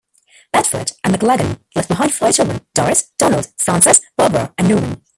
Bedford and McLagan left behind five children: Doris, Donald, Frances, Barbara and Norman.